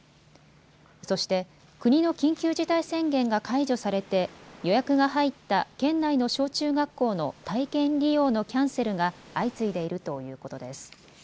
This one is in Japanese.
そして国の緊急事態宣言が解除されて予約が入った県内の小中学校の体験利用のキャンセルが相次いでいるということです。